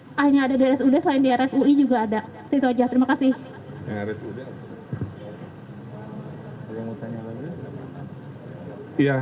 itu aja terima kasih